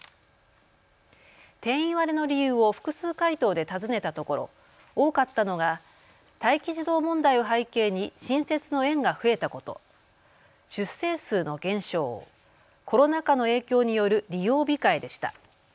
定員割れの理由を複数回答で尋ねたところ多かったのが待機児童問題を背景に新設の園が増えたこと、出生数の減少、コロナ禍の影響による利用控えでした。